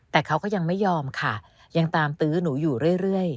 แต่เขาก็ยังไม่ยอมค่ะยังตามตื้อหนูอยู่เรื่อย